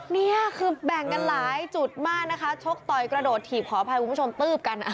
นี่คือแบ่งกันหลายจุดมากนะคะชกต่อยกระโดดถีบขออภัยคุณผู้ชมตืบกัน